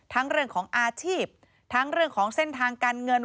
เรื่องของอาชีพทั้งเรื่องของเส้นทางการเงิน